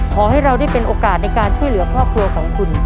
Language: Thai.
ขอให้เราได้เป็นโอกาสในการช่วยเหลือครอบครัวของคุณ